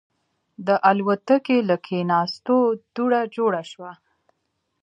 د الوتکې له کېناستو دوړه جوړه شوه.